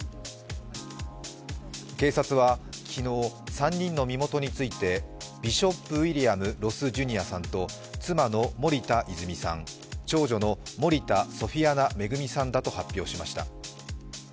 警察は昨日、３人の身元についてビショップ・ウィリアム・ロス・ジュニアさんと妻の森田泉さん、長女の森田ソフィアナ恵さんだと発表しました。